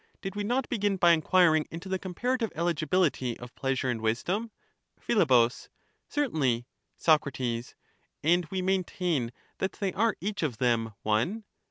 Did we not begin by enquiring into the comparative eligibility of pleasure and wisdom ? Phi, Certainly. Soc, And we maintain that they are each of them one